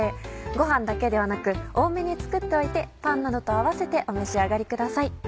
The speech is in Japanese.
ご飯だけではなく多めに作っておいてパンなどと合わせてお召し上がりください。